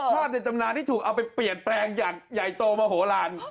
ในตำนานที่ถูกเอาไปเปลี่ยนแปลงอย่างใหญ่โตมโหลาน